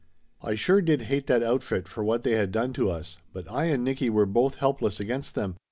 I sure did hate that outfit for what they had done to us, but I and Nicky were both helpless against them.